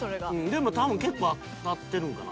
でも結構当たってるんかな？